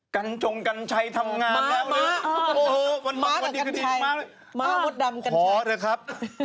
กันชงกันชัยทำงานแล้วโอ้โหกันหมดดีมะพอแล้วครับ